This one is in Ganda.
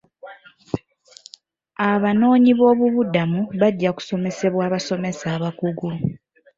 Abanoonyiboobubudamu bajja kusomesebwa abasomesa abakugu.